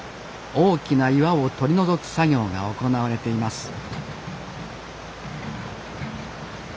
大きな岩を取り除く作業が行われています